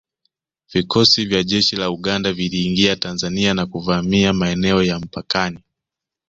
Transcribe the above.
Vikosi vya jeshi la Uganda viliingia Tanzania na kuvamia maeneo ya mpakani